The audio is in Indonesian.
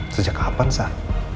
sejak kapan sah